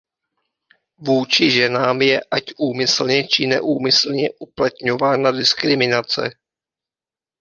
Vůči ženám je, ať úmyslně či neúmyslně, uplatňována diskriminace.